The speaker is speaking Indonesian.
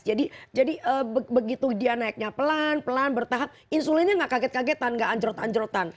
jadi begitu dia naiknya pelan pelan bertahap insulinnya nggak kaget kagetan nggak anjrot anjrotan